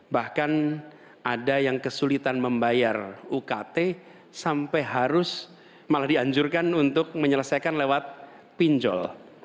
bahkan ada yang kesulitan membayar ukt sampai harus malah dianjurkan untuk menyelesaikan lewat pinjol